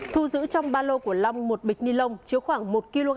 thu giữ trong ba lô của long một bịch nilon chiếu khoảng một kg